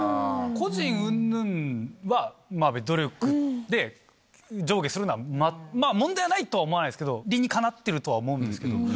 個人うんぬんは努力で上下するのは問題ないとは思わないですけど理にかなってるとは思うんですけど。